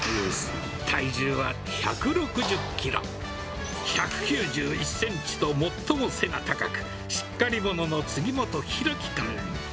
体重は１６０キロ、１９１センチと最も背が高く、しっかり者の杉本弘樹君。